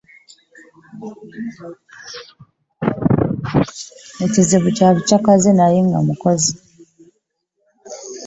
Ekizibu kya bukyakaze naye nga mukozi.